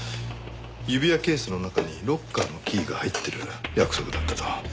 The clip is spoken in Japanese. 指輪ケースの中にロッカーのキーが入ってる約束だったと。